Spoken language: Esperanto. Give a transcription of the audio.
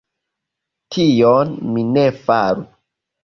Tion mi ne faru.